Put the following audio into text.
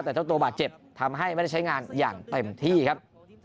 แต่เจ้าตัวบาดเจ็บทำให้ไม่ได้ใช้งานอย่างเต็มที่ครับ